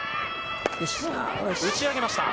打ち上げました。